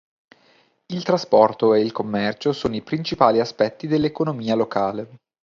Il trasporto e il commercio sono i principali aspetti dell'economia locale.